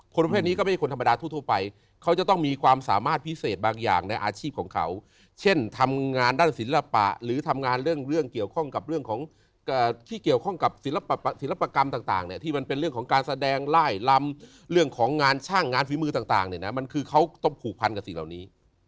ประเภทนี้ก็ไม่ใช่คนธรรมดาทั่วไปเขาจะต้องมีความสามารถพิเศษบางอย่างในอาชีพของเขาเช่นทำงานด้านศิลปะหรือทำงานเรื่องเกี่ยวข้องกับเรื่องของที่เกี่ยวข้องกับศิลปกรรมต่างเนี่ยที่มันเป็นเรื่องของการแสดงไล่ลำเรื่องของงานช่างงานฝีมือต่างเนี่ยนะมันคือเขาต้องผูกพันกับสิ่งเหล่านี้